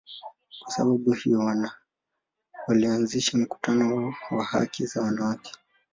Kwa sababu hiyo, walianzisha mkutano wao wa haki za wanawake.